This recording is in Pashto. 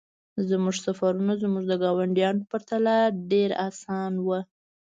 زموږ سفرونه زموږ د ګاونډیانو په پرتله ډیر اسانه وو